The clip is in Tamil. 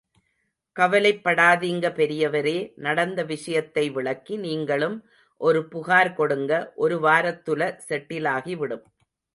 கவலைப்படாதிங்க பெரியவரே... நடந்த விஷயத்தை விளக்கி... நீங்களும் ஒரு புகார் கொடுங்க... ஒரு வாரத்துல செட்டிலாகிவிடும்.